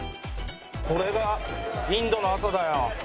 これがインドの朝だよ。